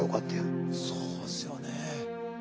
そうですよね。